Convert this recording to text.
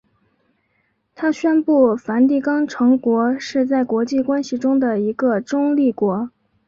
它宣布梵蒂冈城国是在国际关系的一个中立国。